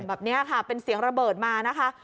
แบบนี้ค่ะเป็นเสียงระเบิดมานะคะ